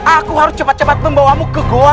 aku harus cepat cepat membawamu ke goa